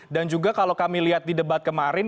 dan juga kalau kami lihat di debat kemarin